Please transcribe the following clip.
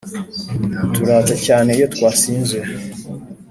turuta cyane iyo twasinze